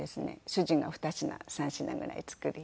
主人が２品３品ぐらい作り。